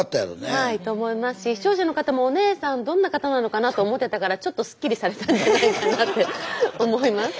はいと思いますし視聴者の方もおねえさんどんな方なのかなと思ってたからちょっとすっきりされたんじゃないかなって思います。